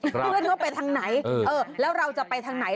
เพื่อนเขาไปทางไหนแล้วเราจะไปทางไหน